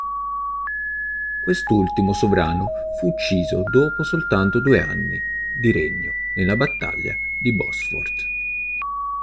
Quest'ultimo sovrano fu ucciso dopo soltanto due anni di regno nella battaglia di Bosworth.